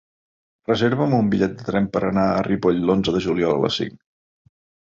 Reserva'm un bitllet de tren per anar a Ripoll l'onze de juliol a les cinc.